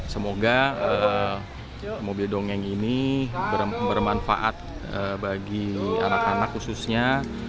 semoga mobil dongeng ini bermanfaat bagi anak anak khususnya